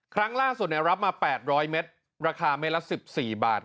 ครั้งล่าสุดรับมา๘๐๐เมตรราคาเม็ดละ๑๔บาท